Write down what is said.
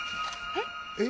えっ？